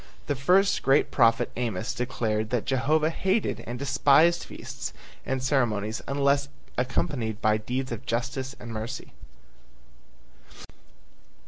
The first great prophet Amos declared that Jehovah hated and despised feasts and ceremonies unless accompanied by deeds of justice and mercy.